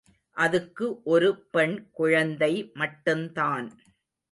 அதுக்கு ஒரு பெண் குழந்தை மட்டுந்தான்.